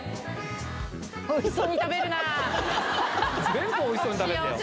全部おいしそうに食べるんだよ・